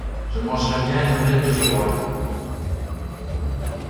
Je mangerais bien une omelette aux girolles.